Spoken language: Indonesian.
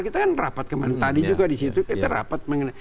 kita kan rapat kemana mana